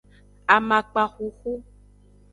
Amakpa xuxu.